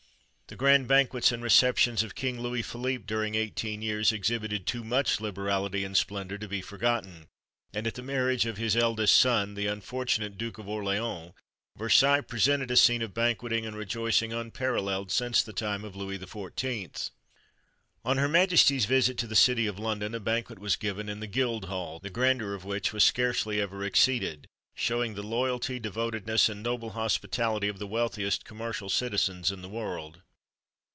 The grand banquets and receptions of King Louis Philippe during eighteen years exhibited too much liberality and splendour to be forgotten; and at the marriage of his eldest son, the unfortunate Duke of Orleans, Versailles presented a scene of banqueting and rejoicing unparalleled since the time of Louis XIV. On her Majesty's visit to the city of London a banquet was given in the Guildhall, the grandeur of which was scarcely ever exceeded, showing the loyalty, devotedness, and noble hospitality of the wealthiest commercial citizens in the world.